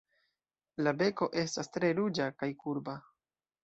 La beko estas tre ruĝa, kaj kurba.